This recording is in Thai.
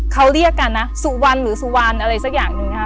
เขาเรียกกันนะสุวรรณหรือสุวรรณอะไรสักอย่างหนึ่งค่ะ